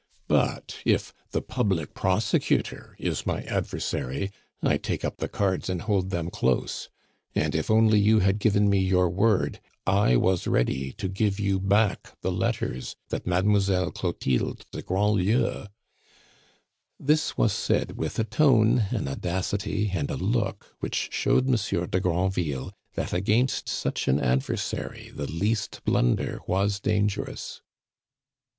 But if the public prosecutor is my adversary, I take up the cards and hold them close. And if only you had given me your word, I was ready to give you back the letters that Mademoiselle Clotilde de Grandlieu " This was said with a tone, an audacity, and a look which showed Monsieur de Granville, that against such an adversary the least blunder was dangerous.